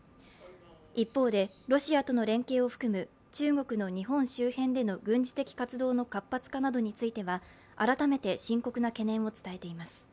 一方で、ロシアとの連携を含む中国の日本周辺での軍事的活動の活発化などについては改めて深刻な懸念を伝えています。